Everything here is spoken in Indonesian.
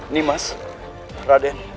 ini mas raden